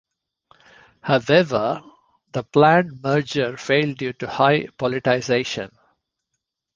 However, the planned merger failed due to high politicization.